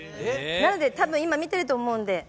なので、たぶん今見てると思うんで。